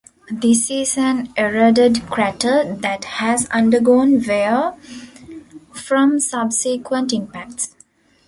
This is an eroded crater that has undergone wear from subsequent impacts.